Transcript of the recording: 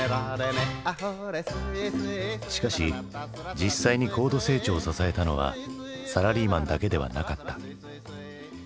しかし実際に高度成長を支えたのはサラリーマンだけではなかった。